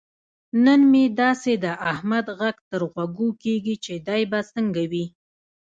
نن مې داسې د احمد غږ تر غوږو کېږي. چې دی به څنګه وي.